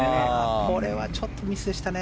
これはちょっとミスでしたね。